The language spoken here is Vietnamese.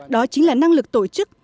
đó chính là năng lực tổ chức